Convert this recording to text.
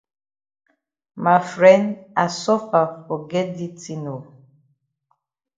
Ma fren I suffer for get di tin oo.